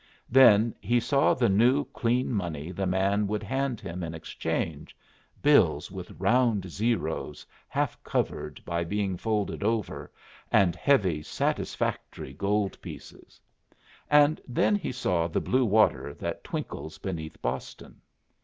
Then he saw the new, clean money the man would hand him in exchange, bills with round zeroes half covered by being folded over, and heavy, satisfactory gold pieces. And then he saw the blue water that twinkles beneath Boston.